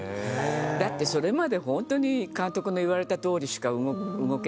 だってそれまでホントに監督に言われたとおりしか動けないわけだし。